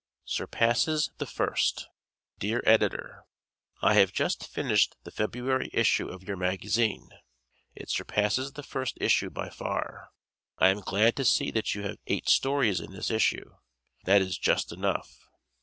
"Surpasses the First" Dear Editor: I have just finished the February issue of your magazine. It surpasses the first issue by far. I am glad to see that you have eight stories in this issue. That is just enough.